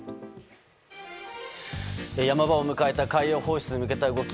山場を迎えた海洋放出に向けた動き。